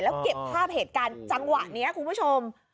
แล้วเก็บภาพเหตุการณ์จังหวะนี้คุณผู้ชม